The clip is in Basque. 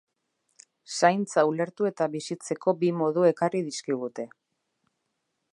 Zaintza ulertu eta bizitzeko bi modu ekarri dizkigute.